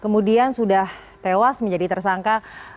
kemudian sudah tewas menjadi tersangka